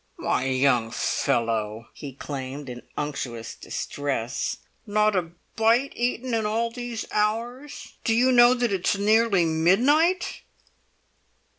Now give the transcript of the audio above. "My young fellow!" he exclaimed in unctuous distress. "Not a bite eaten in all these hours! Do you know that it's nearly midnight?"